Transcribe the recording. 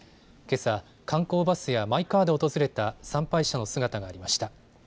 けさ、観光バスやマイカーで訪れた参拝者の姿がありました。